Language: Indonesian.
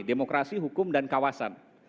demokrasi hukum dan kawasan